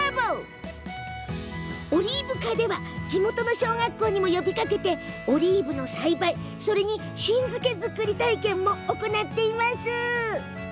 オリーブ課では地元の小学校にも呼びかけてオリーブの栽培、そして新漬け作り体験を行っています。